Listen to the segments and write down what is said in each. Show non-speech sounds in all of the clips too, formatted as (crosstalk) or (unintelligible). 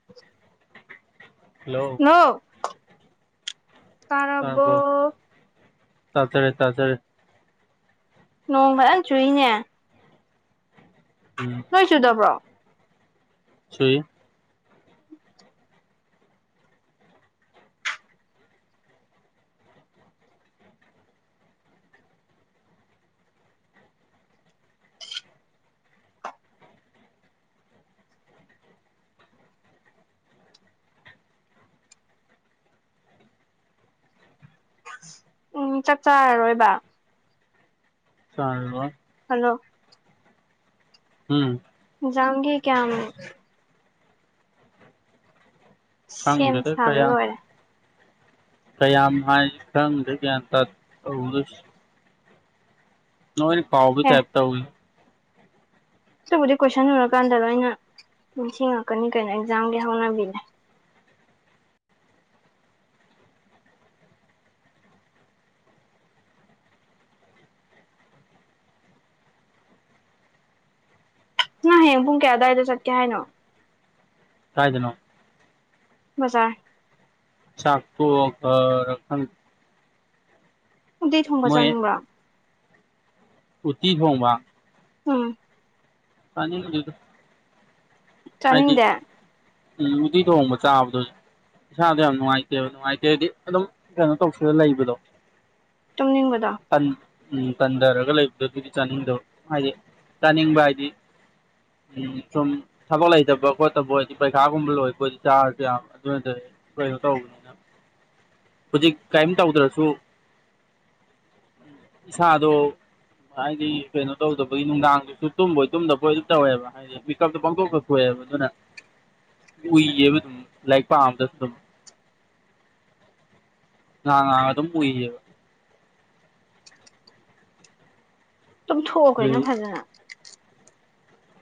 (unintelligible) hello ꯇꯔꯕꯣ ꯇꯥꯔꯕꯣ ꯇꯥꯖꯔꯦ ꯇꯥꯖꯔꯦ ꯅꯣꯡ ꯐꯖꯅ ꯆꯨꯏꯅꯦ ꯎꯝ ꯅꯣꯏ ꯆꯨꯗꯕ꯭ꯔꯣ ꯆꯨꯏ ꯎꯝ ꯆꯥꯛ ꯆꯥꯔꯔꯣꯏꯕ ꯆꯥꯔꯔꯣꯏ ꯍꯜꯂꯣ ꯎꯝ ꯑꯦꯛꯖꯥꯝꯒꯥ ꯀꯌꯥꯝ ꯁꯦꯝ ꯈꯪꯗꯦꯗ ꯁꯥꯕ ꯀꯌꯥꯝ ꯂꯣꯏꯔꯦ ꯀꯌꯥꯝ ꯍꯥꯏ ꯈꯪꯗ꯭ꯔꯦ ꯒ꯭ꯌꯥꯟ ꯇꯥꯗꯦ ꯇꯧꯗꯨꯏꯁꯦ ꯅꯣꯏꯅ ꯀꯥꯎꯕꯩ ꯑꯦ ꯇꯥꯏꯞ ꯇꯧꯏꯤ ꯑꯗꯨꯕꯨꯗꯤ ꯀꯣꯏꯁꯟ ꯎꯔꯀꯥꯟꯗ ꯂꯣꯏꯅ ꯅꯤꯡꯁꯤꯡꯉꯛꯀꯅꯤ ꯀꯩꯅꯣ ꯑꯦꯛꯖꯥꯝꯒꯤ ꯍꯧꯅꯕꯤꯅꯦ ꯅꯪ ꯍꯌꯦꯡ ꯄꯨꯡ ꯀꯌꯥ ꯑꯗꯥꯏꯗ ꯆꯠꯀꯦ ꯍꯥꯏꯅꯣ ꯀꯥꯏꯗꯅꯣ ꯕꯖꯔ ꯆꯥꯛ ꯇ‌ꯣꯛꯑꯣꯒꯔ ꯈꯪꯗ‌ꯦ ꯎꯇꯤ ꯊꯣꯡꯕ ꯃꯣꯏ ꯆꯥꯅꯤꯡꯕ꯭ꯔꯣ ꯎꯇꯤ ꯊ‌ꯣꯡꯕ ꯎꯝ ꯆꯥꯅꯤꯡꯗ‌ꯦꯗ ꯍꯥꯏꯗꯤ ꯆꯥꯅꯤꯡꯗꯦ ꯎꯝ ꯎꯇꯤ ꯊꯣꯡꯕ ꯆꯥꯕꯗ‍ꯣ ꯏꯁꯥꯗꯣ ꯌꯥꯝ ꯅꯨꯡꯉꯥꯏꯇꯦꯕ ꯅꯨꯡꯉꯥꯏꯇꯦ ꯍꯥꯏꯗꯤ ꯑꯗꯨꯝ ꯀꯩꯅꯣ ꯇꯧꯁꯤꯟꯂ ꯂꯩꯕꯗꯣ ꯇꯨꯝꯅꯤꯡꯕꯗꯣ ꯇꯟ ꯎꯝ ꯇꯟꯊꯔꯒ ꯂꯩꯕꯗꯣ ꯑꯗꯨꯗꯤ ꯆꯥꯅꯤꯡꯗꯕ ꯍꯥꯏꯗꯤ ꯆꯥꯅꯤꯡꯕ ꯍꯥꯏꯗꯤ ꯎꯝ ꯁꯨꯝ ꯊꯥꯕꯛ ꯂꯩꯇꯕ ꯈꯣꯠꯇꯕ ꯑꯣꯏꯗꯤ ꯄꯩꯈꯥꯒꯨꯝꯕ ꯂꯣꯏꯕ ꯑꯣꯏꯗꯤ ꯆꯥꯔꯁꯨ ꯌꯥꯕ ꯑꯗꯨ ꯅꯠꯇꯔꯗꯤ ꯀꯩꯅꯣ ꯇꯧꯕꯅꯤꯅ ꯍꯧꯖꯤꯛ ꯀꯔꯤꯝ ꯇꯧꯗ꯭ꯔꯁꯨ ꯏꯁꯥꯗ‌ꯣ ꯍꯥꯏꯗꯤ ꯀꯩꯅꯣ ꯇꯧꯗꯕꯒꯤ ꯅꯨꯡꯗꯥꯡꯗꯨꯁꯨ ꯇꯨꯝꯕꯣꯏ ꯇꯨꯝꯗꯕꯣꯏ ꯑꯗꯨꯝ ꯇꯧꯋꯦꯕ ꯍꯥꯏꯗꯤ ꯄꯤꯀꯞ ꯄꯪꯊ‌ꯣꯛꯇ ꯊ‌ꯣꯛꯑꯦꯕ ꯑꯗꯨꯅ ꯎꯏꯌꯦꯕ ꯑꯗꯨꯝ ꯂꯥꯏꯔꯤꯛ ꯄꯥꯝꯕꯗ ꯑꯗꯨꯝ ꯉꯥꯏꯍꯛ ꯉꯥꯏꯍꯛ ꯑꯗꯨꯝ ꯑꯨꯏꯌꯦꯕ ꯇꯨꯝꯊꯣꯛꯑ‌ꯣ ꯑꯗꯨ ꯀꯩꯅ‌ꯣ ꯐꯖꯅ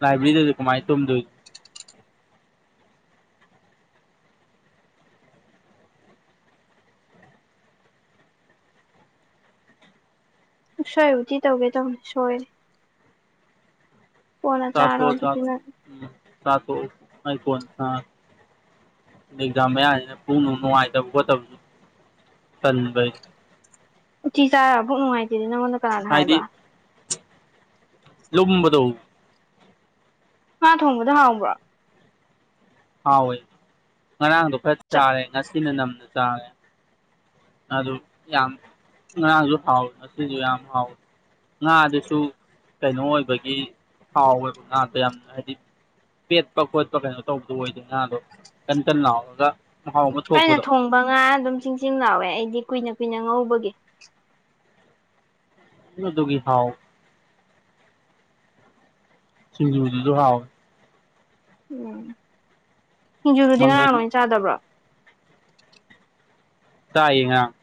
ꯂꯥꯏꯕ꯭ꯔꯤꯗꯨꯗ ꯀꯃꯥꯏꯅ ꯇꯨꯝꯗꯣꯏꯅ‌ꯣ ꯎꯁꯣꯏ ꯎꯇꯤ ꯇꯧꯒꯦ ꯇꯧꯕꯅꯤ ꯁꯣꯏꯔꯗꯤ ꯀꯣꯟꯅ ꯆꯊꯣ ꯆꯥꯔꯣ ꯆ ꯑꯗꯨꯗꯤ ꯅꯪ ꯎꯝ ꯆꯊꯣ ꯑꯩꯀꯣꯟ ꯑꯥ ꯑꯦꯛꯖꯥꯝ ꯃꯌꯥꯁꯤꯅ ꯄꯨꯛ ꯅꯨꯡ ꯅꯨꯡꯉꯥꯏꯇꯕ ꯈꯣꯠꯇꯕꯗ‌ꯣ ꯇꯟꯕꯩ ꯎꯇꯤ ꯆꯥꯔꯒ‌ ꯄꯨꯛ ꯅꯨꯡꯉꯥꯏꯇ‌ꯦꯗꯤ ꯅꯪꯉꯣꯟꯗ ꯀꯅꯥꯅ ꯍꯥꯏꯗꯤ ꯍꯥꯏꯕ ꯂꯨꯝꯕꯗꯣ ꯉꯥ ꯊꯣꯡꯕꯗꯤ ꯍꯥꯎꯕ꯭ꯔꯣ ꯍꯥꯎꯋꯦ ꯉꯔꯥꯡꯗꯣ ꯈꯔ ꯆ ꯆꯥꯔꯦ ꯉꯁꯤꯅ ꯅꯝꯅ ꯆꯥꯔꯦ ꯑꯗꯨ ꯌꯥꯝ ꯉꯥꯔꯥꯡꯁꯨ ꯍꯥꯎꯋꯤ ꯑꯁꯤꯁꯨ ꯌꯥꯝ ꯍꯥꯎꯋꯤ ꯉꯥꯗꯨꯁꯨ ꯀꯩꯅꯣ ꯑꯣꯏꯕꯒꯤ ꯍꯥꯎꯋꯦꯕ ꯉꯥꯗꯣ ꯌꯥꯝ ꯍꯥꯏꯗꯤ ꯄꯦꯠꯄ ꯈꯣꯠꯄ ꯀꯩꯅꯣ ꯇꯧꯕꯗꯨ ꯑꯣꯏꯗꯦ ꯉꯥꯗꯣ ꯀꯟ ꯀꯟ ꯂꯥꯎꯔꯒ ꯃꯍꯥꯎ ꯑꯃ ꯊꯣꯛꯄꯗꯣ ꯃꯉꯥ ꯑꯗꯨꯝ ꯆꯤꯡ ꯆꯤꯡ ꯂꯥꯎꯋꯦ ꯑꯩꯗꯤ ꯀꯨꯏꯅ ꯀꯨꯏꯅ ꯉꯧꯕꯒꯤ ꯃꯗꯨꯒꯤ ꯊꯥꯎ ꯁꯤꯡꯖꯨꯗꯨꯁꯨ ꯍꯥꯎꯌ‌ꯦ ꯎꯝ ꯁꯤꯡꯖꯨꯗꯨꯗꯤ ꯃꯪꯒꯟ ꯉꯔꯥꯡ ꯂꯣꯏ ꯆꯥꯗꯕ꯭ꯔꯣ ꯆꯥꯏꯌꯦ‌ ꯉꯔꯥꯡ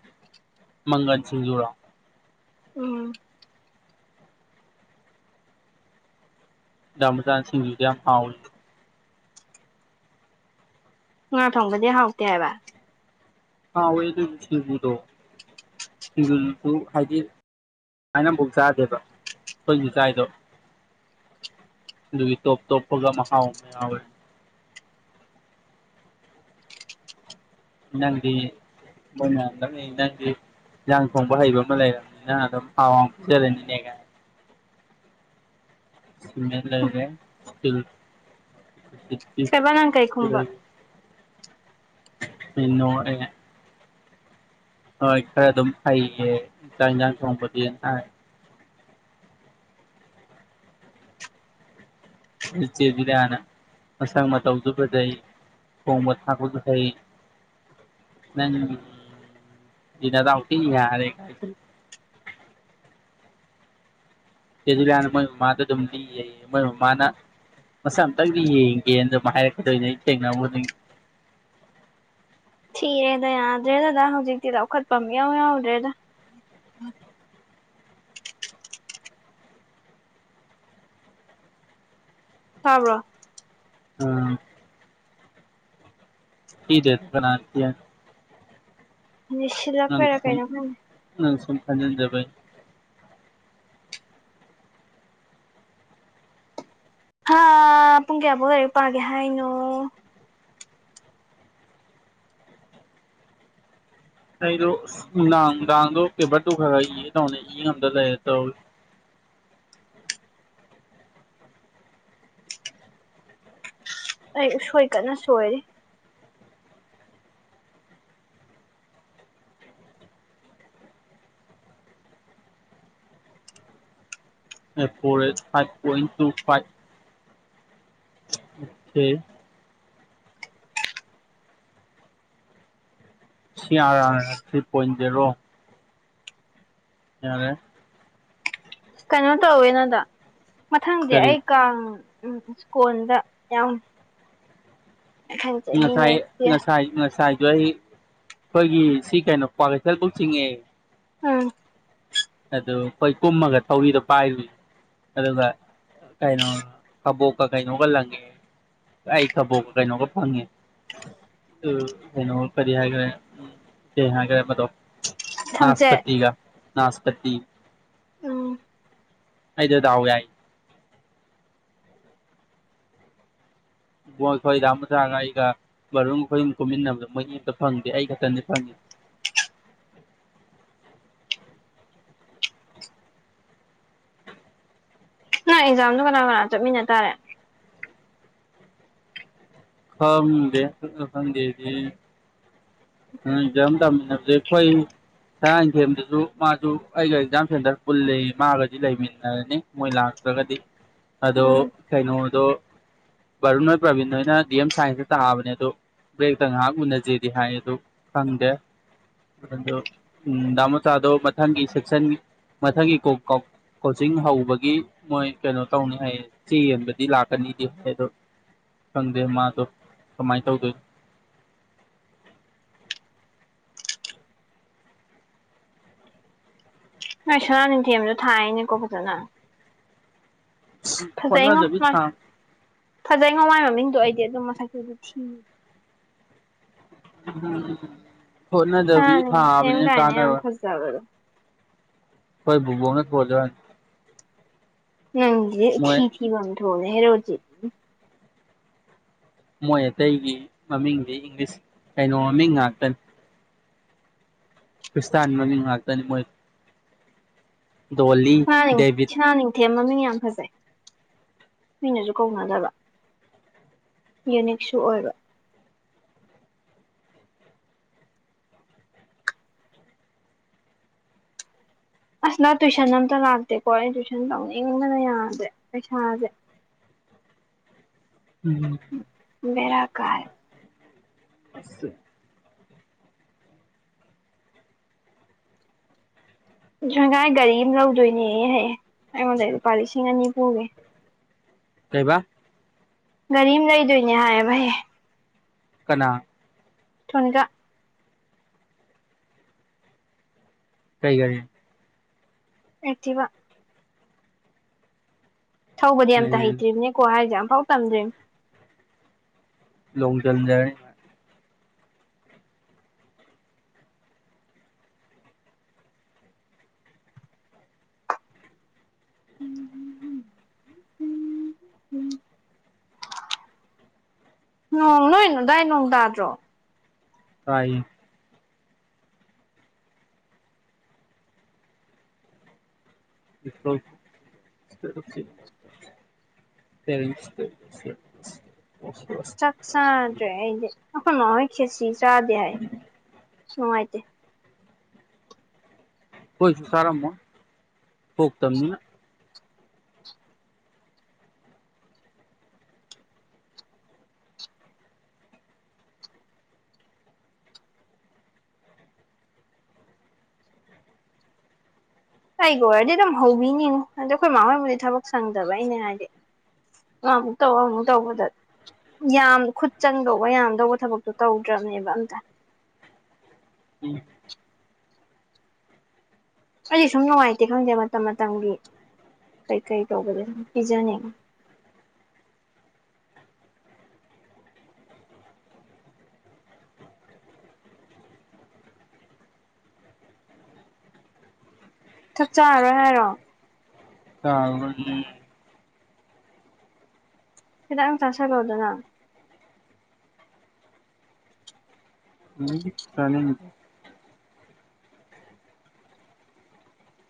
ꯃꯪꯒꯟ ꯁꯤꯡꯖꯨꯔꯣ ꯎꯝ ꯌꯥꯝꯕ ꯖꯥꯠꯅ‌ꯦ ꯁꯤꯡꯖꯨꯗ‌ꯣ ꯌꯥꯝ ꯍꯥꯎꯌ‌ꯦ ꯉꯥ ꯊꯣꯡꯕꯗꯤ ꯍꯥꯎꯇꯦ ꯍꯥꯏꯕ ꯍꯥꯎꯌ‌ꯦ ꯗꯨꯕꯨꯗꯤ ꯁꯤꯡꯖꯨ ꯗ‌ꯣ ꯁꯤꯡꯖꯨ ꯗꯨꯁꯨ ꯍꯥꯏꯗꯤ ꯁꯨꯃꯥꯏꯅ ꯑꯃꯐꯥꯎ ꯆꯥꯗꯦꯕ ꯈ‌ꯣꯏꯖꯨ ꯆꯥꯏꯗꯣ ꯑꯗꯨꯒꯤ ꯇꯣꯞ ꯇꯣꯞꯄꯒ ꯃꯍꯥꯎ ꯌꯥꯎꯌ‌ꯦ ꯅꯪꯗꯤ ꯃ‌ꯣꯏꯅ ꯂꯛꯅꯩ ꯅꯪꯗꯤ ꯌꯥꯪ ꯁꯣꯡꯕ ꯍꯩꯕ ꯃꯜ ꯂꯩꯔꯗꯣ ꯍꯥꯎꯥꯡ ꯆ ꯂꯩꯅꯦꯦꯉ ꯁꯤꯃꯦ ꯂꯩꯔꯦ ꯁꯕꯅꯥꯥꯡ ꯀꯥꯏ ꯀꯨꯝꯕ ꯄꯅꯣ ꯍꯣꯏ ꯈꯔ ꯑꯗꯨꯝ ꯍꯩꯌꯦ ꯏꯟꯁꯥꯡ ꯏꯟꯖꯥꯡ ꯊꯣꯡꯕꯗꯤ ꯏꯆꯦ ꯕꯤꯗꯤꯌꯅ ꯃꯁꯪ ꯃꯇꯧꯁꯨ ꯐꯥꯖꯩ ꯊ‌ꯣꯡꯕ ꯊꯥꯛꯄꯁꯨ ꯍꯩ ꯅꯪꯗꯤ ꯅꯗꯥꯎ ꯊꯤ ꯌꯥꯔꯦ ꯀꯥꯏ ꯆ‌ꯦ ꯗꯨꯏꯂꯅ ꯃꯣꯏ ꯃꯃꯥꯗ ꯑꯗꯨꯝ ꯂꯤꯌ‌ꯦꯌ‌ꯦ ꯃꯣꯏ ꯃꯃꯥꯅ ꯃꯁꯛ ꯑꯝꯇꯪꯗꯤ ꯌꯦꯡꯒꯦꯅ ꯑꯗꯨꯝ ꯍꯥꯏꯔꯛꯀꯗꯣꯏꯅꯦ ꯑꯩ ꯊꯦꯡꯅꯕ‌ ꯈꯨꯗꯤꯡꯒꯤ ꯊꯤꯔꯦꯗ ꯌꯥꯗ꯭ꯔꯦꯗꯗꯥ ꯍꯧꯖꯤꯛꯇꯤ ꯂꯧꯈꯠꯄ ꯑꯃ ꯌꯥꯎ ꯌꯥꯎꯗ꯭ꯔꯦꯗ ꯇꯥꯕ꯭ꯔꯣ ꯎꯝ ꯍꯗꯦꯠ ꯅꯥꯇ ꯅꯤꯡꯁꯤꯂꯛꯄ ꯑꯣꯏꯔ ꯀꯥꯏꯅ ꯈꯪ ꯎꯝ ꯁꯨꯡ ꯐꯥꯟꯗꯅꯗꯕ ꯍꯥ ꯄꯨꯡ ꯀꯌꯥꯐꯥꯎ ꯂꯔꯤꯛ ꯄꯥꯒꯦ ꯍꯥꯏꯅꯣ ꯑꯩꯗꯣ ꯅꯨꯡꯗꯥꯡ ꯅꯨꯡꯗꯥꯡꯗꯣ ꯄꯦꯄꯔ ꯇꯨ ꯈꯔ ꯏꯒꯦ ꯇꯧꯅꯤ ꯏ ꯉꯝꯗ ꯂꯩꯔꯦ ꯇꯧꯋ ꯑꯩ ꯎꯁꯣꯏ ꯀꯟꯅ ꯁꯣꯏꯔ four five point two five ꯍꯝ ꯁꯤꯌꯥ ꯊ꯭ꯔꯤ ꯄꯣꯏꯟ ꯖꯦꯔꯣ ꯌꯥꯔꯦ ꯀꯩꯅꯣ ꯇꯧꯋꯦꯅꯗ ꯃꯊꯪꯗꯤ ꯀꯔꯤ ꯑꯩ ꯀꯥꯡ ꯎ ꯁ꯭ꯀꯣꯟꯗ ꯌꯥꯝ ꯉꯁꯥꯏ ꯅꯦꯛꯁ ꯌꯔ ꯉꯁꯥꯏ ꯉꯁꯥꯏꯖ ꯑꯩꯈꯣꯏꯒꯤ ꯁꯤ ꯀꯩꯅꯣ ꯀ꯭ꯋꯥ ꯀꯩꯊꯦꯜꯕꯨꯛ ꯆꯤꯡꯉꯦ ꯎꯝ ꯑꯗꯨ ꯑꯩꯈꯣꯏ ꯀꯨꯝꯃꯒ ꯊꯧꯔꯤꯗꯣ ꯄꯥꯏꯔꯨꯁ ꯑꯗꯨꯒ ꯀꯩꯅꯣ ꯀꯕꯣꯛꯀ ꯀꯩꯅꯣꯒ ꯂꯪꯒꯦ ꯑ ꯑꯩ ꯈꯥꯕꯣꯕ ꯀꯥꯏꯅꯉꯔ ꯐꯪ ꯎꯩꯅꯣ ꯀꯔꯤ ꯍꯥꯏꯒ꯭ꯔꯦ ꯎ ꯀ ꯍꯥꯏꯒ꯭ꯔꯦ ꯃꯗꯣ ꯊꯝꯆꯦꯠ ꯅꯥꯁꯄꯇꯤꯒ ꯅꯥꯁꯄꯇꯤ ꯎꯝ ꯑꯩꯗꯗꯥꯎ ꯌꯥꯏ ꯃꯣꯏ ꯑꯩꯈꯣꯏ ꯔꯥ ꯃꯖꯥꯒ ꯑꯩꯒ ꯃꯔꯨꯝ ꯑꯩꯈꯣꯏꯨꯝ ꯀꯨꯝꯃꯤꯟꯅꯕꯗ ꯃꯣꯏꯒꯤ ꯑꯝꯇ ꯐꯪꯗꯦ ꯑꯩ ꯈꯛꯇꯗꯤ ꯐꯪꯉꯤ ꯅ ꯑꯦꯛꯖꯥꯝꯗꯣ ꯀꯅꯥ ꯀꯅꯥ ꯆꯠꯃꯤꯟꯅ ꯇꯔꯦ ꯈꯗꯦꯗꯗꯤ ꯎꯝ ꯌꯥꯝꯝꯗ ꯃꯅ ꯗꯦꯈꯣ ꯁꯥꯔ ꯏꯟꯊꯦꯝꯗꯁꯨ ꯃꯥꯁꯨ ꯑꯩꯒ ꯑꯦꯛꯖꯥꯝ ꯁꯦꯟꯇꯔ ꯄꯨꯜꯜꯂꯤ ꯃꯥꯒꯗꯤ ꯂꯩꯃꯤꯟꯅꯔꯅꯤ ꯃꯣꯏ ꯂꯥꯛꯇ꯭ꯔꯒꯗꯤ ꯑꯗꯣ ꯎꯝ ꯀꯩꯅꯣꯗꯣ ꯕꯥꯔꯨꯟ ꯍꯣꯏ ꯄ꯭ꯔꯕꯤꯟꯣꯏꯅ ꯗꯤ ꯑꯦꯝ ꯁꯥꯏꯟꯖꯇ ꯇꯥꯑꯕꯅꯦ ꯑꯗꯣ ꯕ꯭ꯔꯦꯛꯇ ꯉꯥꯏꯍꯥꯛ ꯎꯨꯟꯅꯖꯦꯗꯤ ꯍꯥꯏ ꯑꯗꯨ ꯐꯪꯗꯦ ꯑꯗꯨꯗꯣꯗꯥ ꯃꯣꯆꯥꯗꯣ ꯃꯊꯪꯒꯤ ꯁꯦꯛꯁꯟ ꯃꯊꯪꯒꯤ ꯀꯣꯛ ꯀꯥꯎꯣꯛ ꯀꯣꯆꯤꯡ ꯍꯧꯕꯒꯤ ꯃꯣꯏ ꯀꯩꯅꯣ ꯇꯧꯅꯤ ꯍꯥꯏꯌꯦ ꯆꯦ ꯌꯦꯟꯕꯗꯤ ꯂꯥꯛꯀꯅꯤꯗꯤ ꯍꯥꯏ ꯑꯗꯣ ꯁꯪꯗꯦ ꯃꯥꯁꯨ ꯀꯃꯥꯏ ꯇꯧꯗꯣꯏ ꯅꯣꯏ ꯁꯨꯅꯥꯅꯤꯊꯦꯝꯁꯨ ꯊꯥꯏꯑꯅꯦꯀꯣ ꯐꯖꯅ ꯐꯖꯩ ꯉꯣ ꯍꯣꯠꯅꯗꯕꯤ ꯃꯥꯏ ꯊꯥ ꯐꯖꯩ ꯉꯣ ꯃꯥꯏ ꯃꯃꯤꯡꯗꯣ ꯑꯩꯗꯤ ꯑꯗꯨꯝ ꯃꯁꯛꯇꯨꯗꯤ ꯊꯤ ꯍꯣꯠꯅꯗꯕꯤ ꯊꯥꯕꯅꯤꯅ ꯀꯥꯟꯅꯔꯣꯢ ꯆꯕꯔ (inaudible) ꯑꯩꯈꯣꯢ ꯕꯨꯕꯣꯛꯅꯥ ꯀꯣꯜ ꯇꯧꯔꯛꯑꯝꯃꯤ ꯅꯪꯒꯤꯗꯤ ꯃꯣꯏ ꯏꯊꯤ ꯊꯤꯕꯥ ꯑꯃꯥ ꯊꯨꯡꯌꯦ ꯍꯦꯔꯣꯗꯤ ꯃꯣꯏ ꯑꯇꯩꯒꯤ ꯃꯃꯤꯡꯗꯤ ꯏꯪꯂꯤꯁ ꯀꯩꯅꯣ ꯃꯃꯤꯡ ꯉꯥꯛꯇꯅꯤ ꯀ꯭ꯔꯤꯁꯇꯥꯟ ꯃꯃꯤꯡ ꯉꯥꯛꯇꯅꯤ ꯃꯣꯏ ꯗꯣꯜꯂꯤ ꯗꯦꯕꯤꯠ ꯅꯤꯡꯊꯦꯝ ꯃꯃꯤꯡ ꯌꯥꯝ ꯐꯖꯩ ꯃꯤꯅꯁꯨ ꯀꯧꯅꯗꯕ ꯌꯨꯅꯤꯛꯁꯨ ꯑꯣꯏꯕ ꯑꯁ ꯅ ꯇꯨꯏꯁꯟ ꯑꯝꯇ ꯂꯥꯛꯇꯦꯀꯣ ꯑꯩꯩꯅ ꯇꯨꯏꯁꯟ ꯇꯧꯅꯤꯡꯕꯅ ꯌꯥꯗ꯭ꯔꯦ ꯄꯩꯁꯥꯁꯦ ꯎꯝ ꯕꯦꯔꯥ ꯀꯥꯏ ꯑꯁ ꯒꯥꯏ ꯒꯥꯔꯤ ꯑꯃ ꯂꯧꯗꯣꯏꯅꯦꯍꯍꯌꯦ ꯑꯩꯉꯣꯟꯗ ꯂꯨꯄꯥ ꯂꯤꯁꯤꯡ ꯑꯅꯤ ꯄꯨꯒꯦ ꯀꯩꯕ ꯒꯥꯔꯤ ꯑꯃ ꯂꯩꯗꯣꯏꯅꯦ ꯍꯥꯏꯌꯦꯕꯍꯦ ꯀꯅꯥ ꯊꯣꯟꯒ ꯀꯩ ꯒꯔꯤ ꯑꯦꯛꯇꯤꯚ ꯊꯧꯕꯗꯤ ꯑꯝ ꯍꯩꯇ꯭ꯔꯤꯝꯅꯦꯀꯣ ꯍꯥꯏꯔꯤꯁꯦ ꯑꯝꯐꯥꯎ ꯇꯝꯗ꯭ꯔꯤꯕꯅꯦ ꯂꯣꯛꯖꯤꯟꯖꯔꯅꯤ ꯎꯝ ꯅꯣꯡ ꯑꯗꯥꯏ ꯅꯣꯡ ꯇꯥꯗ꯭ꯔꯣ ꯇꯥꯏ ꯏꯣꯇ (inaudible) ꯇꯔꯁꯇꯁꯁ ꯆꯥꯛ (inaudible) ꯆꯥꯗ꯭ꯔꯦ ꯑꯩꯗꯤ ꯑꯩꯈꯣꯏ ꯃꯥ ꯍꯣꯏ ꯈꯦꯠꯁꯤ ꯆꯥꯗꯦ ꯍꯥꯏ ꯅꯨꯡꯉꯥꯏꯇꯦ ꯍꯣꯏꯁꯨ ꯁꯔꯝꯃ ꯐ ꯇꯅꯤ (inaudible) ꯑꯩꯒ ꯑꯣꯏꯔꯗꯤ ꯑꯗꯨꯝ ꯍꯧꯕꯤꯅꯤꯉꯨ ꯑꯗꯣ ꯑꯩꯈꯣꯏ ꯃꯥ ꯍꯣꯏꯕꯨꯗꯤ ꯊꯕꯛ ꯁꯪꯗꯕꯩꯅꯦ ꯅꯪ ꯑꯃꯨꯛ ꯇꯧꯔꯛꯑꯣ ꯑꯃꯨꯛ ꯇꯧꯕꯗ ꯌꯥꯝ ꯈꯨꯠ ꯆꯪꯗꯧꯕ ꯌꯥꯝꯗꯧꯕ ꯊꯕꯛꯇꯣ ꯇꯧꯗ꯭ꯔꯕꯅꯦꯕ ꯑꯝꯇ ꯎꯝ ꯑꯩꯗꯤ ꯁꯨꯝ ꯅꯨꯡꯉꯥꯏꯇꯦ ꯈꯪꯗꯦ ꯃꯇꯝ ꯃꯇꯝꯒꯤ ꯀꯩꯀꯩ ꯇꯧꯕꯗ ꯁꯨꯝ ꯄꯤꯖꯅꯤꯡꯉꯤ ꯆꯥꯛ ꯆꯥꯔꯔꯣꯏ ꯍꯥꯏꯔꯣ ꯆꯔꯔꯣꯢꯌꯦ ꯈꯤꯗꯪ ꯆꯥꯥꯁꯤꯟꯂꯨꯗꯅ ꯆꯅꯤꯡ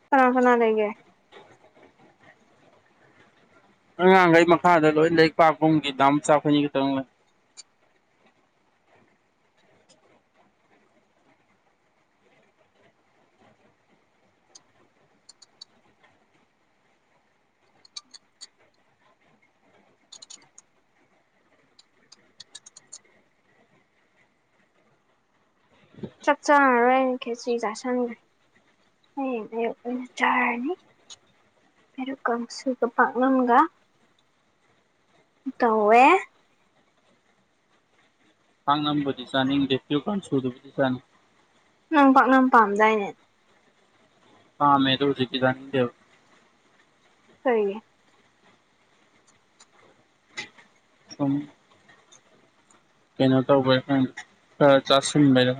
ꯀꯅꯥ ꯀꯅꯥ ꯂꯩꯒꯦ ꯑꯉꯥꯡꯈꯩ ꯃꯈꯥꯗ ꯂꯣꯏ ꯂꯣꯢꯔꯤꯛ ꯄꯥ ꯀꯨꯝꯈꯤ ꯗꯥꯝꯆꯥ ꯑꯈꯣꯢꯅꯤꯗ ꯂꯩ ꯆꯥꯛ ꯆꯥꯔꯔꯣꯏ ꯈꯦꯆꯤ ꯆꯁꯤꯟꯈ꯭ꯔꯦ ꯍꯌꯦꯡ ꯑꯌꯨꯛ ꯑꯣꯢꯅ ꯆꯔꯅꯤ ꯄꯦꯂꯨꯛ ꯀꯥꯡꯁꯨꯒ ꯄꯥꯛꯅꯝꯒ ꯇꯧꯋꯦ ꯄꯥꯛꯅꯝꯕꯨꯗꯤ ꯆꯥꯅꯤꯡꯗꯦ ꯄꯦꯔꯨꯛ ꯀꯥꯡꯁꯨꯕꯨꯗꯤ ꯆꯥꯅꯤꯡꯉꯤ ꯅꯪ ꯄꯥꯛꯅꯝ ꯄꯥꯝꯗꯥꯏꯅꯦ ꯄꯥꯝꯃꯦ ꯑꯗꯨ ꯍꯧꯖꯤꯛꯇꯤ ꯆꯅꯤꯗꯦ ꯀꯩꯒꯤ ꯁꯨꯝ ꯀꯩꯅꯣ ꯇꯧꯕꯩ ꯈꯔ ꯆꯥꯁꯤꯟꯕꯩꯔ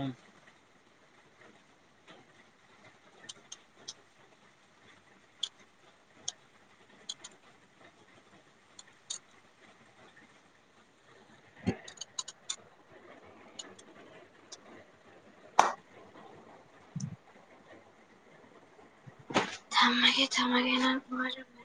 ꯊꯝꯃꯒꯦ ꯊꯥꯝꯃꯒꯦ ꯅꯪ ꯋꯔꯝꯅꯤ